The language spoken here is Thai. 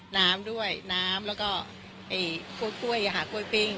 น้ำด้วยน้ำแล้วก็ไอ้กล้วยกล้วยอะค่ะกล้วยปิ้งค่ะ